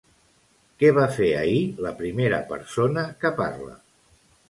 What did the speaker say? Què va fer ahir la primera persona què parla?